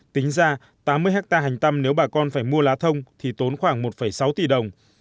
tính ra tám mươi hectare hành tâm nếu bà con phải mua lá thông thì tốn khoảng một sáu tỷ đồng